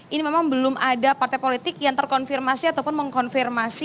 ini memang belum ada partai politik yang terkonfirmasi ataupun mengkonfirmasi